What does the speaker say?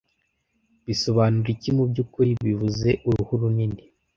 bisobanura iki mubyukuri bivuze uruhu runini